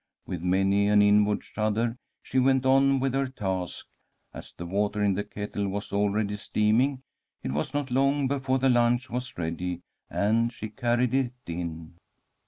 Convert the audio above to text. With many an inward shudder she went on with her task. As the water in the kettle was already steaming, it was not long before the lunch was ready, and she carried it in.